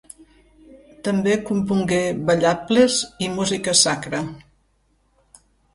També compongué ballables i música sacra.